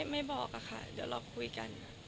ไม่บอกค่ะเดี๋ยวเราคุยกัน